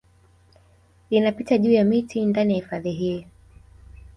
Linapita juu ya miti ndani ya hifadhi hii